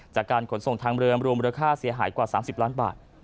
จากการขนส่งทางเรือรวมมูลค่าเสียหายกว่า๓๐ล้านบาท